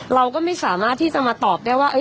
เราก็ไม่สามารถที่จะมาตอบได้ว่า